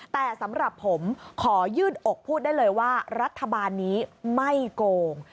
แต่สำหรับผมขอยืดอกพูดได้เลยว่ารัฐบาลนี้ไม่โกง